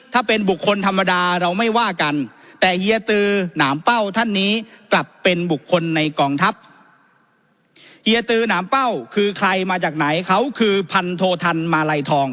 ถ้าเป็นบุคคลธรรมดาเราไม่ว่ากันแต่เฮียตือหนามเป้าท่านนี้